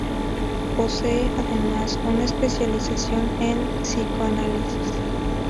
Posee además, una especialización en psicoanálisis.